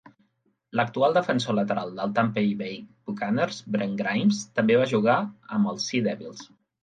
L'actual defensor lateral del Tampay Bay Buccaneers, Brent Grimes, també va jugar amb els Sea Devils.